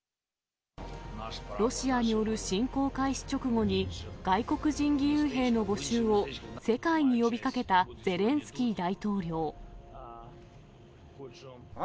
ロシアによる侵攻開始直後に外国人義勇兵の募集を世界に呼びかけたゼレンスキー大統領。